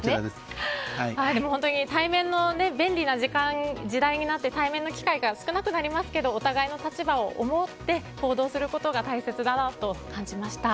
便利な時代になって対面の機会が少なくなりますけどお互いの立場を思って行動することが大切だと感じました。